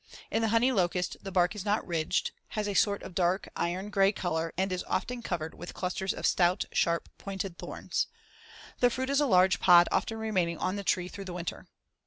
In the honey locust the bark is not ridged, has a sort of dark iron gray color and is often covered with clusters of stout, sharp pointed thorns as in Fig. 83. The fruit is a large pod often remaining on the tree through the winter.